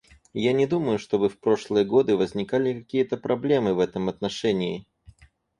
Я не думаю, чтобы в прошлые годы возникали какие-то проблемы в этом отношении.